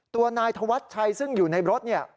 ตัวนายธวัชชัยซึ่งอยู่ในรถเนี่ย